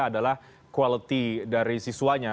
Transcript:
adalah kualitas dari siswanya